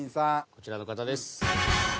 こちらの方ですはい。